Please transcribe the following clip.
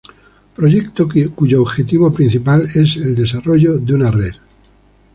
proyecto cuyo objetivo principal es el desarrollo de una red